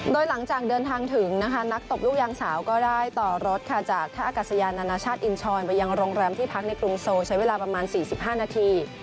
โดยหลังจากเดินทางถึงนะคะนักตบลูกยางสาวก็ได้ต่อรถค่ะจากท่าอากาศยานานาชาติอินชรไปยังโรงแรมที่พักในกรุงโซใช้เวลาประมาณ๔๕นาที